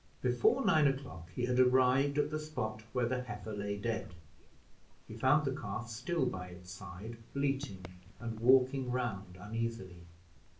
Before nine o'clock, he had arrived at the spot where the heifer lay dead. He found the calf still by its side, bleating and walking round uneasily.